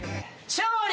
勝利！